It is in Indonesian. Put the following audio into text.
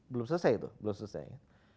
belum selesai itu belum selesai kan